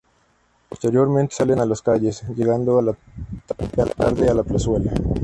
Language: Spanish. Posteriormente salen a las calles, llegando a la tarde a la plazuela.